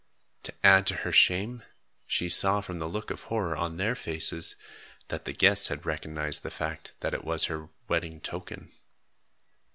To add to her shame, she saw from the look of horror on their faces, that the guests had recognized the fact that it was her wedding token.